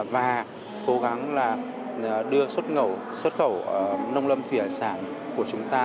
và cố gắng đưa xuất khẩu nông lâm thủy sản của chúng ta